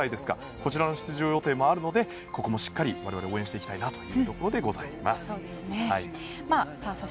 こちらの出場予定もあるのでここもしっかり応援していきたいところであります。